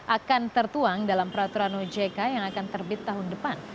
akan tertuang dalam peraturan ojk yang akan terbit tahun depan